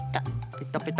ペタペタ。